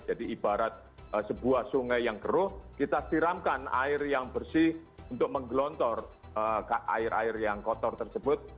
jadi ibarat sebuah sungai yang keruh kita siramkan air yang bersih untuk menggelontor air air yang kotor tersebut